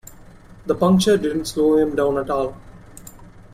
The puncture didn't slow him down at all.